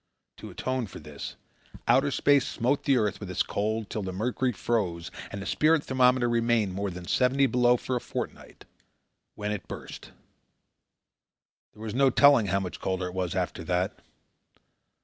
To atone for this, outer space smote the earth with its cold till the mercury froze and the spirit thermometer remained more than seventy below for a fortnight, when it burst. There was no telling how much colder it was after that.